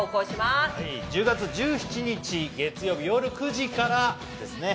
１０月１７日月曜日夜７時からですね。